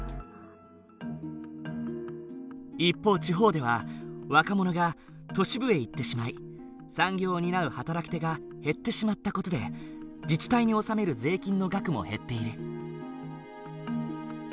一方地方では若者が都市部へ行ってしまい産業を担う働き手が減ってしまった事で自治体に納める税金の額も減っている。